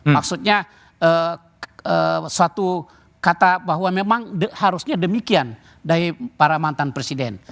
maksudnya suatu kata bahwa memang harusnya demikian dari para mantan presiden